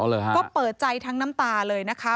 อ๋อเหรอฮะก็เปิดใจทั้งน้ำตาเลยนะครับ